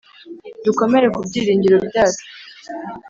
Dukomere ku byiringiro byacu